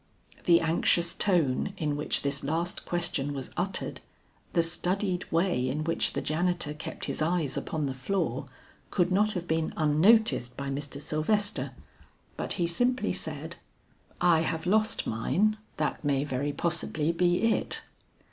The anxious tone in which this last question was uttered, the studied way in which the janitor kept his eyes upon the floor could not have been unnoticed by Mr. Sylvester, but he simply said, "I have lost mine, that may very possibly be it."